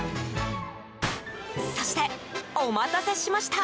そして、お待たせしました。